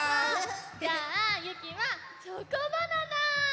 じゃあゆきはチョコバナナ！